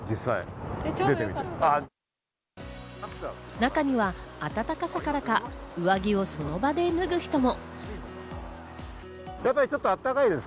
中には暖かさからか、上着をその場で脱ぐ人も。